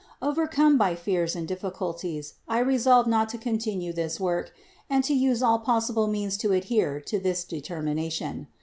3. Overcome by fears and difficulties, I resolved not to continue this work, and to use all possible means to adhere to this determination.